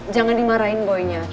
jangan dimarahin boy nya